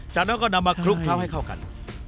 จากนั้นก็นำมาคลุกเคล้าให้เข้ากัน